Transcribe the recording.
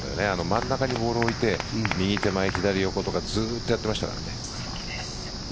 真ん中にボールを置いて右手前横とかずっとやってましたからね。